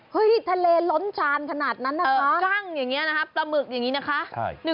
ทะเลล้นชานขนาดนั้นนะคะกั้งอย่างนี้นะคะปลาหมึกอย่างนี้นะคะ